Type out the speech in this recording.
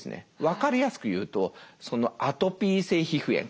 分かりやすく言うと「アトピー性皮膚炎」。